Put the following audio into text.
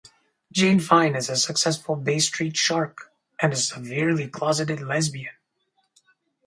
Jayne Fine is a successful Bay Street shark, and a severely closeted lesbian.